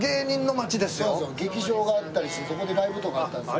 劇場があったりしてそこでライブとかあったんですよ。